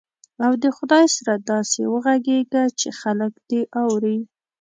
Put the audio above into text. او د خدای سره داسې وغږېږه چې خلک دې اوري.